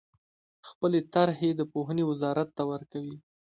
خپلې طرحې د پوهنې وزارت ته ورکوي.